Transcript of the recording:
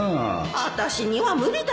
あたしには無理だよ